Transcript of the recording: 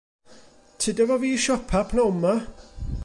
Tyd efo fi i siopio p'nawn 'ma.